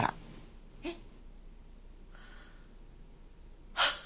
えっ？